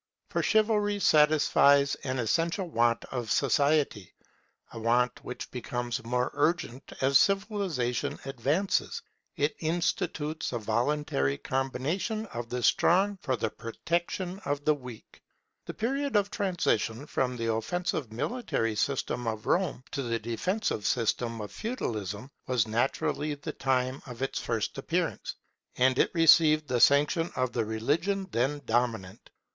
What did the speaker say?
For Chivalry satisfies an essential want of society, a want which becomes more urgent as civilization advances; it institutes a voluntary combination of the strong for the protection of the weak. The period of transition from the offensive military system of Rome to the defensive system of Feudalism, was naturally the time of its first appearance, and it received the sanction of the religion then dominant.